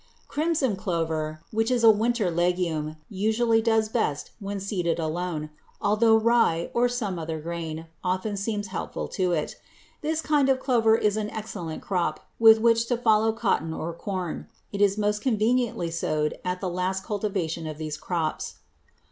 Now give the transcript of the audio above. Crimson clover, which is a winter legume, usually does best when seeded alone, although rye or some other grain often seems helpful to it. This kind of clover is an excellent crop with which to follow cotton or corn. It is most conveniently sowed at the last cultivation of these crops.